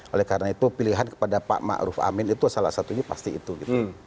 oleh karena itu pilihan kepada pak maruf amin itu salah satu pasti itu gitu